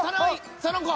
その子。